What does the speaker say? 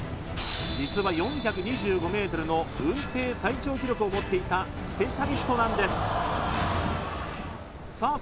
実は４２５ｍのうんてい最長記録を持っていたスペシャリストなんですさあ